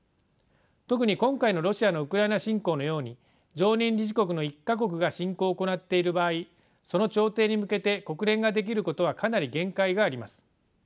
特に今回のロシアのウクライナ侵攻のように常任理事国の１か国が侵攻を行っている場合その調停に向けて国連ができることはかなり限界があります。